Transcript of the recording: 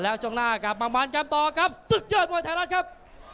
แล้วช่วงหน้ากลับมามันกันต่อกับศึกยอดมวยไทยรัฐครับ